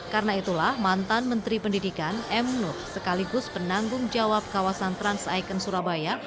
karena itulah mantan menteri pendidikan m nuh sekaligus penanggung jawab kawasan trans icon surabaya